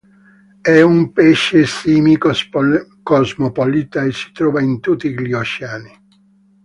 È un pesce simi cosmopolita e si trova in tutti gli oceani.